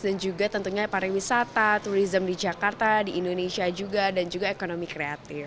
dan juga tentunya pariwisata turisme di jakarta di indonesia juga dan juga ekonomi kreatif